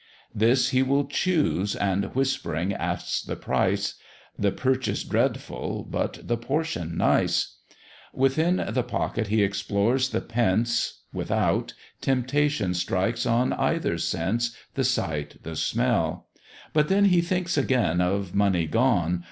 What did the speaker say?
This he will choose, and whispering asks the price, The purchase dreadful, but the portion nice: Within the pocket he explores the pence; Without, temptation strikes on either sense, The sight, the smell; but then he thinks again Of money gone!